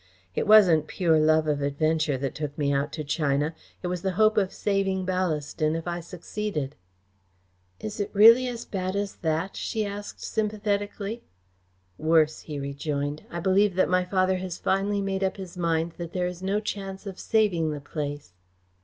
It wasn't pure love of adventure that took me out to China. It was the hope of saving Ballaston if I succeeded." "Is it really as bad as that?" she asked sympathetically. "Worse," he rejoined. "I believe that my father has finally made up his mind that there is no chance of saving the place."